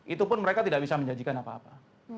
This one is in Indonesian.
itu pun mereka tidak bisa menjanjikan apa apa